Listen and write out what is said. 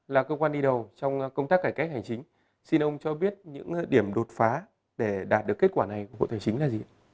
là cơ quan đi đầu trong công tác cải cách hành chính xin ông cho biết những điểm đột phá để đạt được kết quả này của bộ tài chính là gì